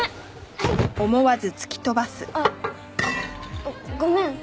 あっごめん。